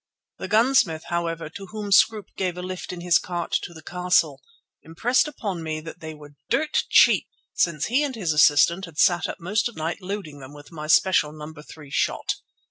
The gunsmith, however, to whom Scroope gave a lift in his cart to the castle, impressed upon me that they were dirt cheap, since he and his assistant had sat up most of the night loading them with my special No. 3 shot.